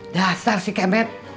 dasar si kemet